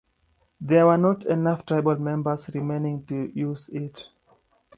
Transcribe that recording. There were not enough tribal members remaining to use it.